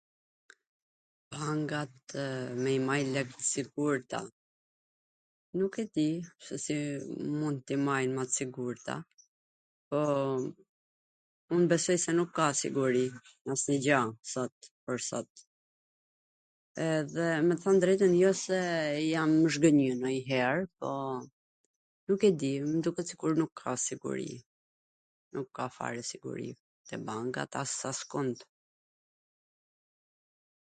Bangatw nw i majn lekt t sigurta... Nuk e di, se si mun t i majn ma t sigurta, po un besoj se nuk ka siguri, jo, sot pwr sot, edhe me thwn tw drejtwn jo se jam zhgwnjy ndonjwher, po, po nuk e di, mw duket sikur nuk ka siguri, nuk ka fare siguri te bangat, as askund.